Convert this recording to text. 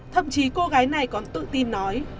thậm chí cô gái này còn tự tin nói